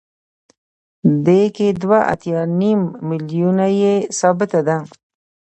دې کې دوه اتیا نیم میلیونه یې ثابته ده